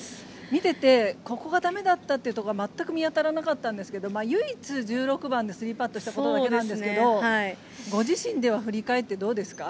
見ててここが駄目だったというところが全く見当たらなかったんですけど唯一１６番で３パットしたことだけなんですけどご自身では振り返ってどうですか？